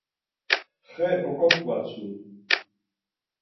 Xe oǩot̆ǩvatsu!